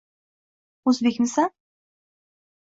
«O‘zbekmisan?!»